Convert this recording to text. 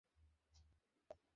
আমরা সবাই lab result দেখেছি!